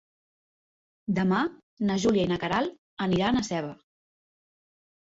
Demà na Júlia i na Queralt aniran a Seva.